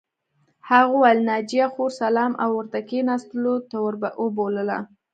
هغه وویل ناجیه خور سلام او ورته کښېناستلو ته ور وبلله